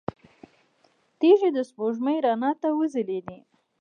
تيږې د سپوږمۍ رڼا ته وځلېدې.